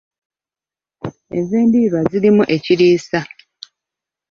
Envendiirwa zirimu ekiriisa.